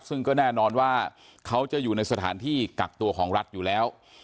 ซึ่งก็แน่นอนว่าเขาจะอยู่ในสถานที่กักตัวของรัฐอยู่แล้ว